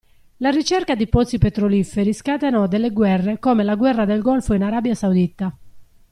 La ricerca di pozzi petroliferi scatenò delle guerre come la guerra del Golfo in Arabia saudita.